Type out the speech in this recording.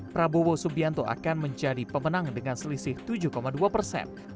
prabowo subianto akan menjadi pemenang dengan selisih tujuh dua persen